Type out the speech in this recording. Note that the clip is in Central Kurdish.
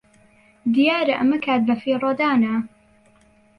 دیارە ئەمە کات بەفیڕۆدانە.